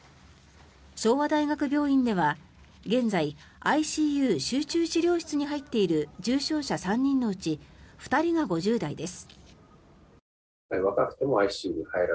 昭和大学病院では現在ＩＣＵ・集中治療室に入っている重症者３人のうち２人が５０代です。